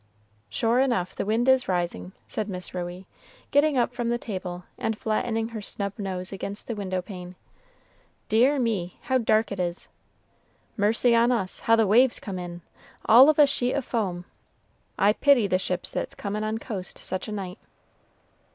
"Sure enough, the wind is rising," said Miss Ruey, getting up from the table, and flattening her snub nose against the window pane. "Dear me, how dark it is! Mercy on us, how the waves come in! all of a sheet of foam. I pity the ships that's comin' on coast such a night."